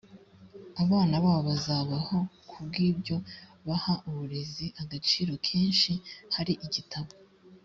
abana babo bazabaho ku bw ibyo baha uburezi agaciro kenshi hari igitabo